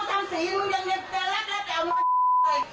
เลวไหมมันสาหร่าใจทำไมไม่หอนอ่ะ